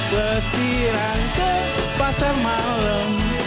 lesiran ke pasar malam